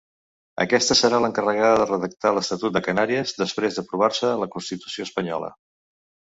Aquesta serà l'encarregada de redactar l'estatut de Canàries, després d'aprovar-se la Constitució Espanyola.